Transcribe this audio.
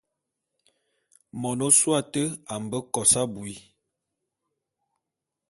Mon ôsôé ate a mbe kos abui.